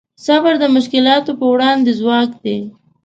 صبر د مشکلاتو په وړاندې ځواک دی.